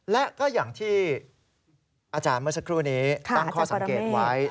และก็อย่างที่อาจารย์เมื่อสักครู่นี้ตั้งข้อสังเกตไว้